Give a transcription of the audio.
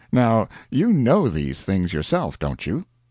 Now you know these things yourself, don't you?